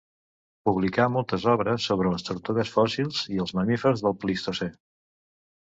Publicà moltes obres sobre les tortugues fòssils i els mamífers del Plistocè.